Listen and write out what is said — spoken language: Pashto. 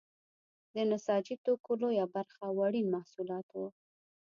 د نساجي توکو لویه برخه وړین محصولات وو.